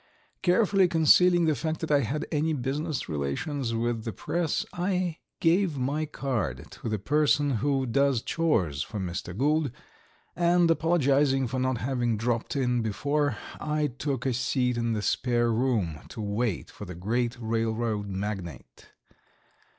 Carefully concealing the fact that I had any business relations with the press, I gave my card to the person who does chores for Mr. Gould, and, apologizing for not having dropped in before, I took a seat in the spare room to wait for the great railroad magnate.